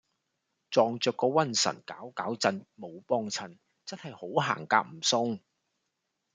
撞著個瘟神攪攪震冇幫襯真喺好行夾唔送